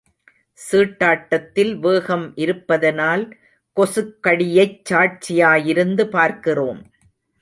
சீட்டாட்டத்தில் வேகம் இருப்பதனால் கொசுக் கடியைச் சாட்சியாயிருந்து பார்க்கிறோம்.